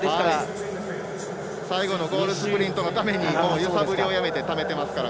最後のゴールスプリントのために揺さぶりをやめてためてますから。